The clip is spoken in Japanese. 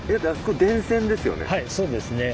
はいそうですね。